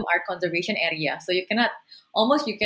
area konservasi jadi anda tidak bisa